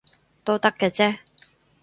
都得嘅啫